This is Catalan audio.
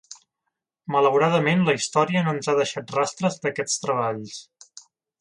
Malauradament la història no ens ha deixat rastres d'aquests treballs.